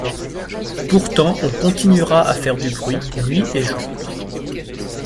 Pourtant on continuera à faire du bruit nuit et jour.